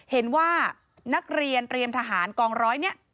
เห็นว่านักเรียนเตรียมทหารกองร้อยเนี่ย